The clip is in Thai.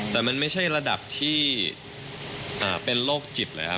แต่มันไม่ใช่ระดับที่เป็นโรคจิตเลยครับ